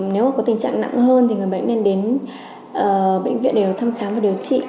nếu mà có tình trạng nặng hơn thì người bệnh nên đến bệnh viện để thăm khám và điều trị